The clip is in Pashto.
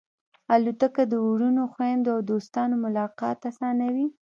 الوتکه د وروڼو، خوېندو او دوستانو ملاقات آسانوي.